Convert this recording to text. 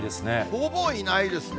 ほぼいないですね。